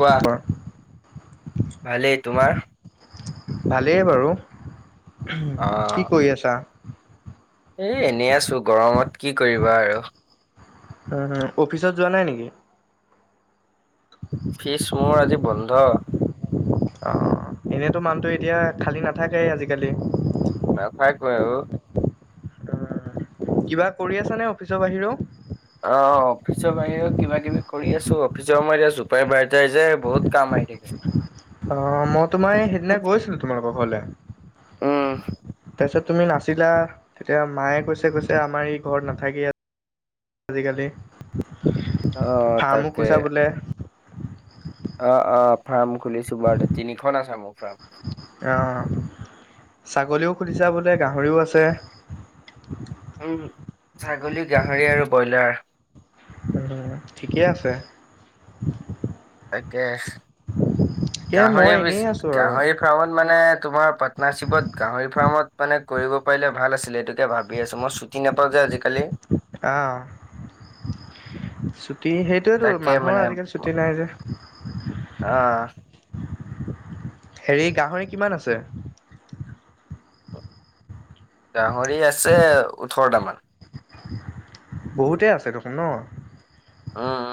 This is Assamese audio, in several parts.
কোৱা? ভালেই তোমাৰ? ভালেই বাৰু, অ কি কৰি আছা? এ এনেই আছো, গৰমত কি কৰিবা আৰু। উম [unintelligible] অফিচত যোৱা নাই নেকি? অফিচ মোৰ আজি বন্ধ। অ', এনেতো মানুহটো এতিয়া খালী নাথাকেই আজিকালি। নাথা [unintelligible] আৰু। কিবা কৰি আছানে অফিচৰ বাহিৰেও? অ'। অফিচৰ বাহিৰেও কিবা কিবি কৰি আছো। অফিচৰ এতিয়া ছোপাৰ ভাইযাৰ যে বহুত কাম আহি থাকে। অ', মই তোমাৰ সেইদনা গৈছিলো তোমালোকৰ ঘৰলে। উম তাৰপিছত তুমি নাছিলা তেতিয়া মায়ে কৈছে কৈছে আমাৰ ই ঘৰত নাথাকে আজিকালি, অ ফাৰ্মো তাকে খোলিচা বোলে। অ', অ', ফাৰ্ম খুলিছো বাৰু তিনিখন আছে মোৰ ফাৰ্ম। অ', ছাগলীও খোলিছা বোলে গাহৰিও আছে। উম, ছাগলী গাহৰি আৰু ব্ৰইলাৰ। ঠিকে আছে। তাকে এ গাহৰি মই এনেই বেছি আছো আৰু গাহৰিত ফাৰ্মত মানে তোমাৰ পাৰ্টনাৰশ্বিপত গাহৰি ফাৰ্মত মানে কৰিব পাৰিলে ভাল আছিলে এইতোকে ভাবি আছো। মই ছুটি নাপাওঁ যে আজিকালি। আহ ছুটি সেইটোয়েতো তাকে মানুহৰ আজিকালি ছুটি নাই যে। অহ। হেৰি গাহৰি কিমান আছে? গাহৰি আছে ওঠৰটামান। বহুতেই আছে দেখোন ন। উম।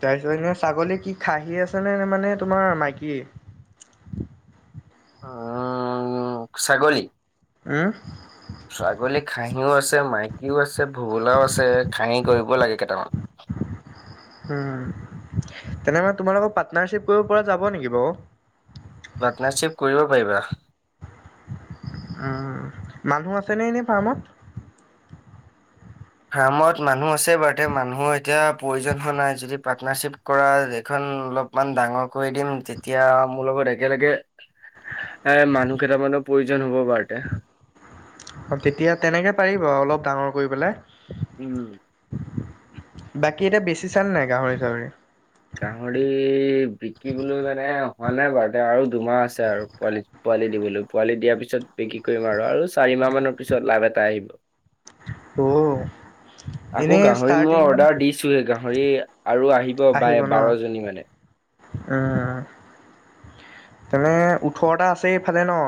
তাৰপিছত এনে ছাগলী কি খাহি আছেনে নে মানে তোমাৰ মাইকী? উম, ছাগলী? উম। ছাগলী খাহিও আছে মাইকীও আছে ভুবুলাও আছে খাহী কৰিব লাগে কেইটামান। উম, তেনে মানে তোমাৰ লগত পাৰ্টনাৰশ্বিপ কৰিব পৰা যাব নেকি বাৰু? পাৰ্টনাৰশ্বিপ কৰিব পাৰিবা। উম, মানুহ আছেনে নে ফাৰ্ম? ফাৰ্মত মানুহ আছে বাৰু এতিয়া মানুহৰ এতিয়া প্ৰয়োজন হোৱা নাই। যদি পাৰ্টনাৰশ্বিপ কৰা এইখন অলপমান ডাঙৰ কৰি দিম তেতিয়া মোৰ লগত একেলগে এ মানুহ কেইটামানৰ প্ৰয়োজন হ'ব বাৰুতে। অ', তেতিয়া তেনেকে পাৰিব অলপ ডাঙৰ কৰি পেলাই। উম। বাকী এতিয়া বেছিচানে নাই গাহৰি চাহৰি? গাহৰি বিকিবলৈ মানে হোৱা নাই বাৰুতে আৰু দুমাহ আছে আৰু পোৱালি। পোৱালি দিবলৈ পোৱালি দিয়াৰ পিছত বিক্ৰী কৰিম আৰু চাৰি মাহ মানৰ পিছত লাভ এটা আহিব। অ'। আকৌ এনেই গাহৰি মই ষ্টাৰ্টিং অৰ্ডাৰ দিছোহে গাহৰি আৰু আহিব বায় বাৰজনী মানে। উম, তেনে ওঠৰটা আছেই এইফালে ন?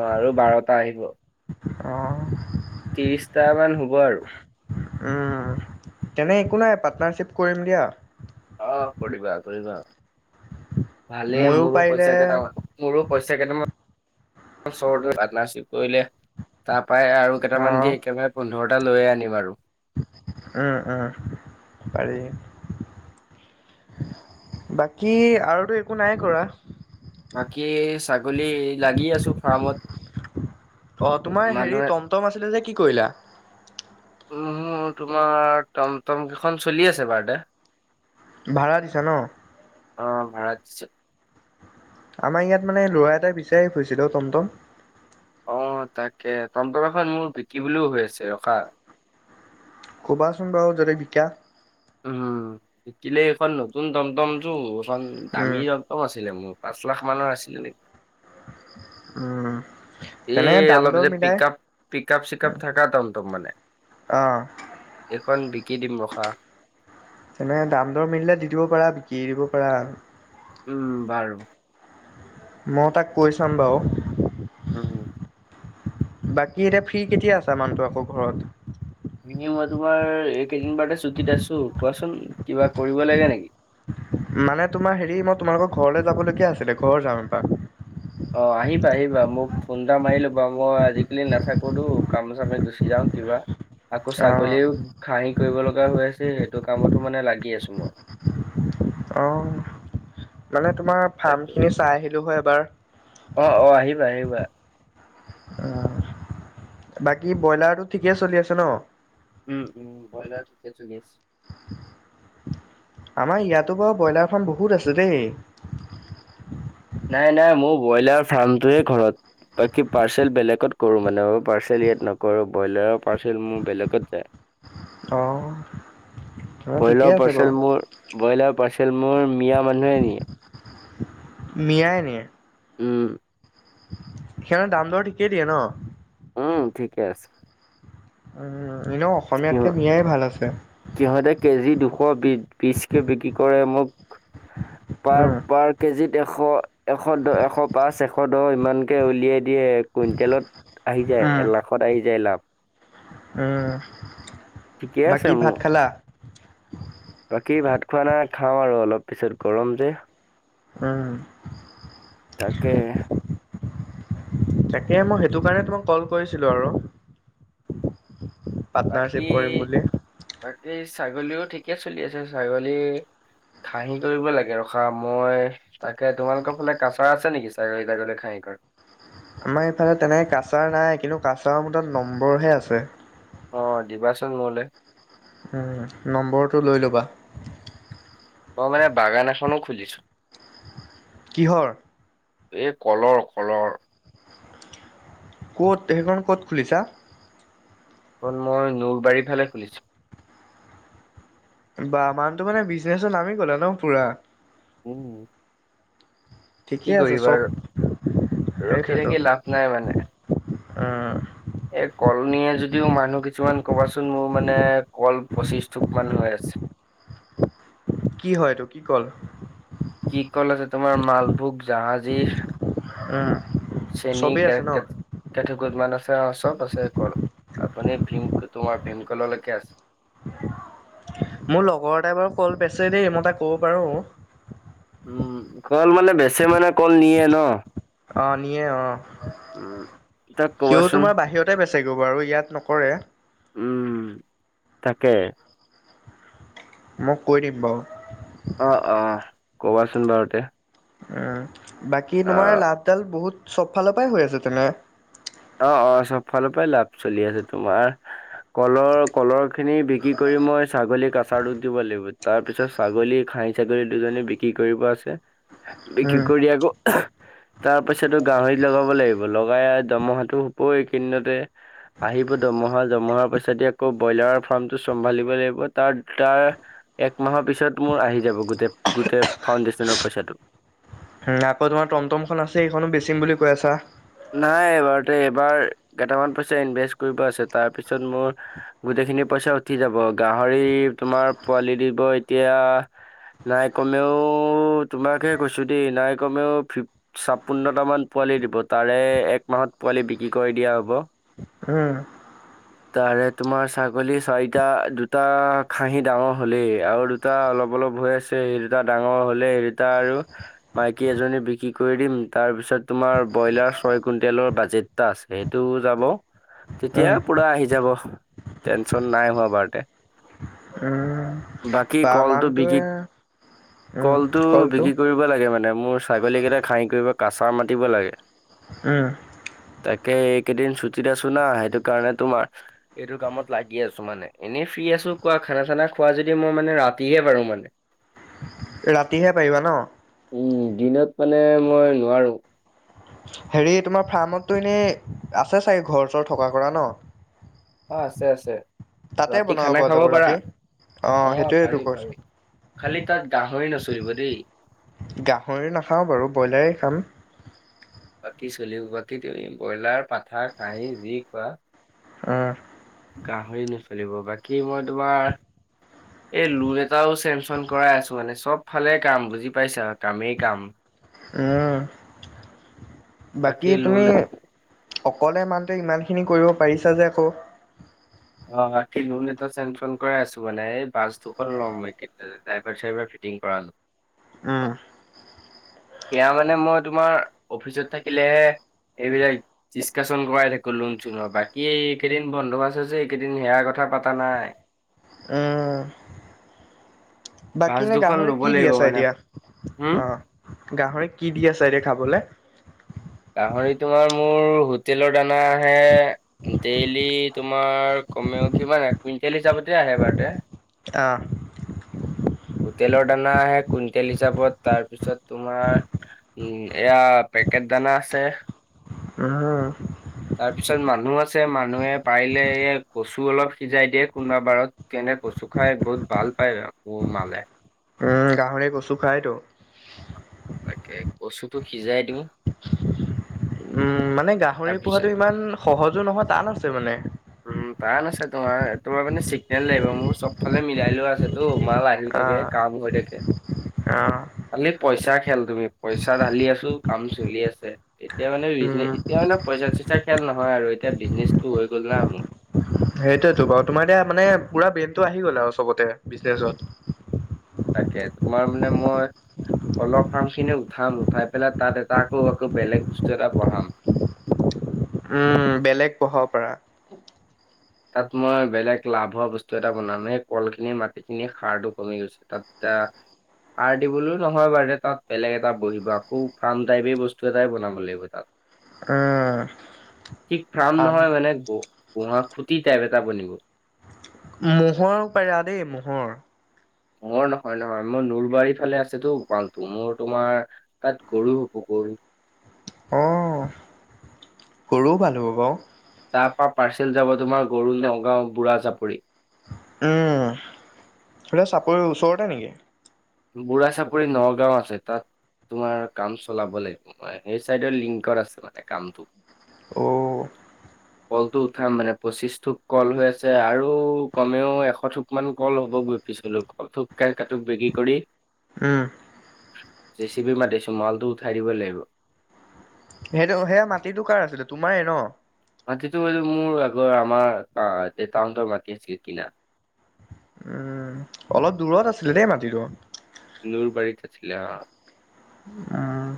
অ', আৰু বাৰটা আহিব। অহ। ত্ৰিশটা মান হ'ব আৰু। উম, তেনে একো নাই পাৰ্টনাৰশ্বিপ কৰিম দিয়া। অ', কৰিবা কৰিবা ভালেই ময়ো মোৰো পইচা পাৰিলে কেইটামান মোৰো পইচা কেইটামান চৰ্ট হৈ পাৰ্টনাৰশ্বিপ কৰিলে তাৰ পৰাই আৰু কেইটামান দি অ', একেবাৰে পোন্ধৰটা লৈয়ে আনিম আৰু। উম, উম, পাৰি। বাকী আৰুতো একো নাই কৰা। বাকী ছাগলী লাগি আছো ফাৰ্মত। মানুহে- টম আছিলে যে কি কৰিলা? মোৰ তোমাৰ টমটম কেইখন চলি আছে ভাড়াতে। ভাড়া দিছা ন? অ' ভাড়া দিছো। আমাৰ ইয়াত মানে লৰা এটা বিচাৰি ফুৰিছিলে অ টমটম। অ' তাকে টমটম এখন মোৰ বিকিবলৈও হৈ আছে ৰখা। ক'বাচোন বাৰু যদি বিকা। উম বিকিলে এইখন নতুন টমটমটো এইখন উম, দামি- টম আছিলে মোৰ পাঁচ লাখ মানৰ আছিলে নেকি? উম, তেনে এই দাম অলপ দৰ যে পিক মিলাই আপ পিক আপ চিকাপ থকা টমটম মানে। অঁ এইখন বিকি দিম ৰখা। তেনেকে দাম দৰ মিলিলে দি দিব পাৰা বিক্ৰী দিব পাৰা আৰু। উম বাৰু। মও তাক কৈয় চাম বাৰু। উম বাকী এতিয়া ফ্ৰী কেতিয়া আছা মানুহটো আকৌ ঘৰত? এনে মই তোমাৰ এই কেইদিন বাৰু ছুটিত আছো। কোৱাচোন কিবা কৰিব লাগে নেকি? মানে তোমাৰ হেৰি মই তোমালোকৰ ঘৰলৈ যাব লগীয়া আছিলে ঘৰ যাম এপাক। অ আহিবা আহিবা। মোক ফোন এটা মাৰি লবা মই আজিকালি নাথাকোতো কামে চামে গুচি যাম। কিবা, আকৌ ছাগলীও খাহি কৰিব লগা হৈ আছে সেইটো কামতো মানে লাগি আছো মই। অঁ' মানে তোমাৰ ফাৰ্ম খিনি চাই আহিলো হয় এবাৰ। অঁ অঁ আহিবা আহিবা। অ বাকী ব্ৰইলাৰটো ঠিকে চলি আছে ন? উম উম ব্ৰইলাৰটো ঠিকে চলি আছে। আমাৰ ইয়াতো বাৰু ব্ৰইলাৰ ফাৰ্ম বহুত আছে দেই। নাই নাই মোৰ ব্ৰইলাৰ ফাৰ্মটোৱে ঘৰত। বাকী পাৰ্চেল বেলেগত কৰো মানে মোৰ পাৰ্চেল ইয়াত নকৰো ব্ৰইলাৰৰ পাৰ্চেল মোৰ বেলেগত যায়। অ তোমাৰ ঠিকে ব্ৰইলাৰ আছে বাৰু পাৰ্চেল মোৰ- ব্ৰইলাৰ পাৰ্চেল মোৰ মিয়া মানুহে নিয়ে। মিয়াই নিয়ে? উম। সিহঁতে দাম দৰ ঠিকেই দিয়ে ন? উম ঠিকে আছে। উম এনেও অসমীয়াতকে মিয়াই ভাল আছে। সিহঁতে কেজি দুশ বি বিশ কে বিক্ৰী কৰে। মোক পাৰ উম পাৰ- কেজিত এশ এশ দ এশ পাঁচ এশ দহ ইমানকৈ উলিয়াই দিয়ে। কুইণ্টেলত- আহি যায় এ উম লাখত আহি যায় লাভ। উম ঠিকে আছে বাকী ভাত মোৰ। খালা? বাকী ভাত খোৱা নাই খাওঁ আৰু অলপ পিছত গৰম যে। উম। তাকে। তাকে মই সেইটো কাৰণে তোমাক কল কৰিছিলো আৰু। বাকী পাৰ্টনাৰশ্বিপ কৰিম বুলি বাকী ছাগলীও ঠিকে চলি আছে ছাগলীৰ- খাহি কৰিব লাগে ৰখা মই। তাকে তোমালোকৰ ফালে কাচাৰ আছে নেকি চাৰিল গিল খাই। আমাৰ ইফালে তেনেকে কাছাৰ নাই কিন্তু কাছাৰৰ মঠত নম্বৰহে আছে। অ দিবাচন মৌলে। উম নম্বৰটো লৈ ল'বা। তই মানে বাগান এখনো খুলিছ। কিহৰ। এই কলৰ কলৰ। ক'ত সেইখন ক'ত খুলিছা। অ মই নৰবাৰীৰ ফালে খুলিছোঁ। বা মানটো মানে বিজনেচত নামি গ'লে ন পুৰা। উম। ঠিকে কি আছে কৰিবা চব ৰখি সেইটোৱেতো থাকি লাভ নাই মানে। উম। এ কল নিয়ে যদিও মানুহ কিছুমান কবাচোন মোৰ মানে কল পঁচিশ ঠোক মান হয়। আচ্ছা। কি হয়টো কি কল। কি কল আছে তোমাৰ মালভোগ জাহাজীৰ। উম। চেনি চবেই কেৰ আছে ন কক। কেঠু কুদমান আছে অ চব আছে কল আপুনি ভীম তোমাৰ ভীমকললৈকে আছে। মোৰ লগৰ এট বাৰু কল পাইছে দেই মই তই ক'ব পাৰোঁ। কল মানে বেচে মানে কল নিয়ে ন। আহ নিয়ে অ। উম তাক সিও কবাচোন তোমাৰ বাহিৰতে বেচেগৈ বাৰু ইয়াত নকৰে। উম তাকে। মোক কৈ দিম বাৰু। অ', অ', কবাচোন বাৰু তে। উ বাকী অ। তোমাৰ লাভডাল বহুত চব ফালৰ পৰাই হৈ আছে তেনে। অ', অ', চব ফালৰ পৰাই লাভ চলি আছে তোমাৰ। কলৰ কলৰ খিনি বিক্ৰী কৰি মই ছাগলী আচাৰোধ দিব লাগিব তাৰ পিছত ছাগলী খাই। ছাগলী দুজনী বিক্ৰী কৰিব আছে। বিক্ৰী উম কৰি আকৌ আ হ তাৰ পিছো গাহৰিত লগাব লাগিব লগাই দমহা। টো হপই এই কিনতে। আহিব দমুহা দমুহাৰ পিছতদি আকৌ ব্ৰইলাৰৰ ফাৰ্মটো চম্ভালিব লাগিব তাৰ তাৰ। এক মাহৰ পিছত মোৰ আহি যাব গোট গোটেই ফাউণ্ডেশ্যনৰ পইচাটো। আকৌ তোমাৰ টমটমখন আছে সেইখনো বেচিম বুলি কৈ আছা। নাই এইবাৰতে এইবাৰ কেইটামান পইচা ইনভেষ্ট কৰিব আছে তাৰপিছত মোৰ। গোটেইখিনি পইচা উঠি যাব গাহৰি তোমাৰ পোৱালি দিব এতিয়া। নাই কমেওঁ তোমাকহে কৈছোঁ দেই নাই কমেওঁ ফ। ছাপন্নটামান পোৱালি দিব তাৰে এক মাহত পোৱালি বিক্ৰী কৰি দিয়া হ'ব। [inaudible] তাৰে তোমাৰ ছাগলী চাৰিটা দুটা খাহি ডাঙৰ হ'লেই আৰু। দুটা অলপ অলপ হৈ আছে সেই দুটা ডাঙৰ হলে সেই দুটা আৰু। মাইকী এজনী বিক্ৰী কৰি দিম তাৰ পিছত তোমাৰ। ব্ৰইলাৰ ছয় কুইন্টেলৰ বাজেট এটা আছে। সেইটো যাব তেতিয়া উম পুৰা আহি যাব। টেনচন নাই এইবাৰ বাৰ্থডেত। [unintelligible] বাকী কলটো বিক্ৰী, মানুহটোৱে কলটো বিক্ৰী কৰিব মাতিব লাগে, মানে মোৰ ছাগলী কেইটা খাঁহি কৰিব কাচা মাতিব লাগে। উম। তাকে, এইকেইদিন ছুটিত আছো না। সেইটো কাৰণে তোমাৰ এইটো কামত লাগি আছো। মানে, এনেই ফ্ৰী আছোঁ। কোৱা, খানা- চানা খোৱা যদি মই মানে ৰাতিহে পাৰু মানে [inaudible] ৰাতিহে পাৰিবা ন'? উম, দিনত মানে মই নোৱাৰোঁ। হেৰি, তোমাৰ ফাৰ্মতটো এনেই আছে চাগৈ ঘৰ- চৰ থকা-কৰা ন'? অঁ আছে, আছে। তাতে ৰাতি বনাব খানা পৰা খাব যাব পাৰা। ৰাতি অ', অঁ সেইটোয়েটো পাৰি, কৈছো। পাৰি। খালি তাত গাহৰি নচলিব দেই। গাহৰি নাখাওঁ বাৰু, ব্ইলাৰেই খাম। বাকী চলিব। বাকী তুমি ব্ইলাৰ পাঠা খাহী যি খোৱা। অঁ-হ। গাহৰি নচলিব। বাকী মই তোমাৰ এই লোন এটাও চেঙছন কৰাই আছো। মানে চব ফালে কাম। বুজি পাইছা? কামেই কাম। উম। ওঁ--হ। বাকী তুমি, অকলে মানুহটোৱে ইমানখিনি কৰিব পাৰিছা যে আকৌ অঁ, অঁ মাতি' লোন এটা চেঙচন কৰাই আছো। মানে এই বাছ দুখন ল'ম এই কেইদিনতে। ড্ৰাইভাৰ-চাইভাৰ ফিটিং কৰানোঁ। উম। বেয়া মানে মই তোমাৰ অফিচত থাকিলেহে এইবিলাক ডিস্কাছন কৰাই থাকো লোন-চোনৰ। বাকী কেইদিন বন্ধ আছে যে এই কেইদিন সেয়াৰ কথা পাতা নাই। উম বাকী বাছ এনে দুখন গাহৰিক ল'ব কি দি লাগিব আছা মানে এতিয়া? হম অঁ, গাহৰিক কি দি আছা এতিয়া খাবলে গাহৰি তোমাৰ, মোৰ হোটেলৰ দানা আহে ডেইলি তোমাৰ কমেও কিমান? কুইণ্টেল হিচাপতে আহে বৰদেতা। অঁ। হোটেলৰ দানা আহে কুইণ্টেল হিচাপত। তাৰপিছত তোমাৰ এইয়া পেকেট দানা আছে। উম। তাৰপিছত মানুহ আছে। মানুহে পাৰিলে এই কচু অলপ সিজাই দিয়ে কোনোবা বাৰত। কেনে কচু খাই বহুত ভাল পায়। মোৰ মানে উম, গাহৰিয়ে কচু খায় তৌ। তাকে, কচুটো সিজাই দিওঁ। উম', মানে গাহৰি পোহাটো তাৰপিছত ইমান সহজো নহয়। টান আছে। মানে উম, ' টান আছে। তোমাৰ, তোমাৰ মানে চিগনেল লাগিব। মোৰ চবফালে মিলাই লোৱা আছে। তো, মাল আহি অ থাকে। কাম হৈ থাকে। অ খালি পইচাৰ খেল। তুমি, পইচা ঢালি আছোঁ কাম চলি আছে। এতিয়া মানে বিজনেছ, উম এতিয়া মানে পইচা-চইচা খেল নহয় আৰু। এতিয়া বিজনেচটো হৈ গ'ল না মোৰ। সেইটোয়েতো বাৰু, তোমাৰ এতিয়া মানে পুৰা ব্ৰেইনটো আহি গ'ল আৰু চবতে বিজনেচত। তাকে, তোমাৰ মানে মই অলপ ফাৰ্ম খিনি উঠাম, উঠাই পেলাই তাত এটা আকৌ' আকৌ বেলেগ বস্তু এটা বহাম। উমঁ' বেলেগ বহাব পাৰা। তাত মই বেলেগ লাভ হোৱা বস্তু এটা বনাম। এই কলখিনি মাটিখিনি সাৰটো কমি গৈছে। তাত এটা সাৰ দিবলৈও নহয় বাৰু তাত বেলেগ এটা বহিব। আকৌ ফাৰ্ম টাইপে বস্তু এটাই বনাব লাগিব তাত। উমঁ'। ঠিক ফাৰ্ম নহয় মানে গোহা, খুটি টাইপ এটা বনিব। ম'হৰ পাৰা দেই ম'হৰ। মই নহয় নহয়। মই নলবাৰী ফালে আছেতো পালটো মোৰ তোমাৰ তাত গৰু হ'ব গৰু। অঁ। গৰু পালিব পাৰ। তাৰ পৰা পাৰ্চেল যাব তোমাৰ গৰু নগাঁও বুঢ়া জাপৰি। উম [unintelligible] চাপৰিৰ ওচৰতে নেকি? বুঢ়া চাপৰি নগাঁও আছে তাত তোমাৰ কাম চলাব লাগিব মই। সেই চাইডৰ লিংকৰ আছে মানে কামটো। অঁ। [unintelligible] কলটো উঠাম মানে পঁচিশ থোক কল হৈ আছে আৰু কমেও এশ থোক মান কল হ'বগৈ। পিছলোক কল থোক [unintelligible] বেগি - কৰি উম জেচিপি মাতিছো মালটো উঠাই দিব লাগিব। সেইটো সেয়া মাটিটো কাৰ আছিলে তোমাৰেই ন'? মাটিতো এইটো মোৰ আগৰ আমাৰ টাউনৰ মাটি আছিল কিনা। উম'। অলপ দূৰত আছিলে দেই মাটিটো। নৰবাৰীত আছিল অ'। উমঁ'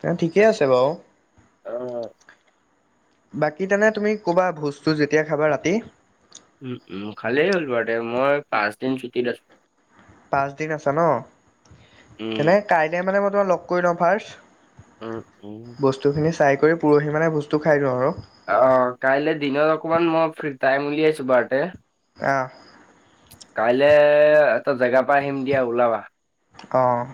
তেনে ঠিকেই আছে বাৰু। অহ'। বাকী তেনে তুমি ক'বা ভোজ-চোজ যেতিয়া খাবা ৰাতি। উম' উম' খালেই হ'ল বাৰু দে। মই পাঁচ দিন ছুটীত আছোঁ। পাঁচদিন আছে ন, উম তেনে কাইলে মানে মই তোমাক লগ কৰি লওঁ ফাৰ্ষ্ট। উম উম বস্তুখিনি চাই কৰি পৰহি মানে ভোজটো খাই দিওঁ আৰু। অহ' কাইলৈ দিনত অকমান মই ফ্ৰী টাইম উলিয়াইছো বাৰতে। অহ'। কাইলে এটা জেগাৰ পৰা আহিম দিয়া ওলাবা। অঁ।